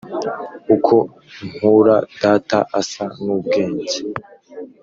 “uko nkura, data asa n'ubwenge.”